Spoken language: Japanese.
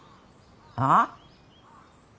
ああ？